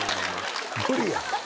無理や。